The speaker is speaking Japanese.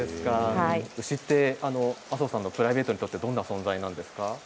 牛って麻生さんのプライベートにとってどんな存在ですか？